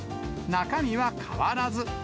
中身は変わらず。